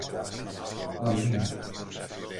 Αμήν